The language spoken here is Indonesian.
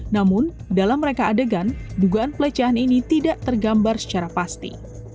namun dalam mereka adegan dugaan pelecehan ini tidak tergambar secara pasti